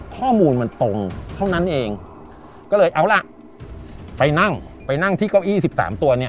ข้อมูลมันตรงเท่านั้นเองก็เลยเอาล่ะไปนั่งไปนั่งที่เก้าอี้๑๓ตัวเนี่ย